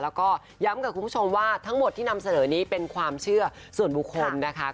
แล้วก็ย้ำกับคุณผู้ชมว่าทั้งหมดที่นำเสนอนี้เป็นความเชื่อส่วนบุคคลนะคะ